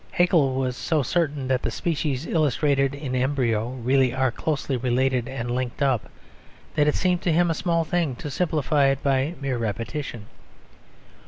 Haeckel was so certain that the species illustrated in embryo really are closely related and linked up, that it seemed to him a small thing to simplify it by mere repetition.